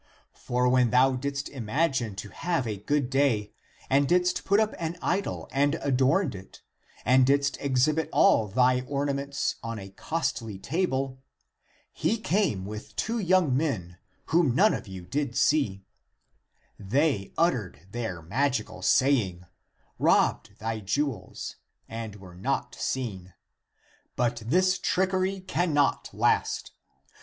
For when thou didst imagine to have a good day and didst put up an idol and adorned it, and didst exhibit all thy ornaments on a costly table, he (came) with two young men, whom none of you did see; they uttered their magical saying, robbed thy jewels, and were not seen. But this trickery cannot last.